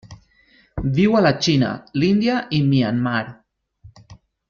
Viu la Xina, l'Índia i Myanmar.